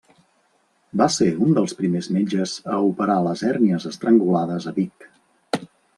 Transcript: Va ser un dels primers metges a operar les hèrnies estrangulades a Vic.